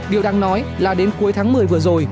điều đáng nói là đến cuối tháng một mươi vừa rồi